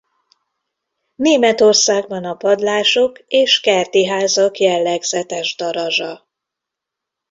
Németországban a padlások és kerti házak jellegzetes darazsa.